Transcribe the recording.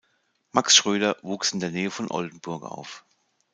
Max Schröder wuchs in der Nähe von Oldenburg auf.